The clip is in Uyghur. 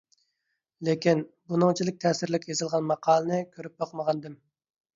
لېكىن، بۇنىڭچىلىك تەسىرلىك يېزىلغان ماقالىنى كۆرۈپ باقمىغانىدىم.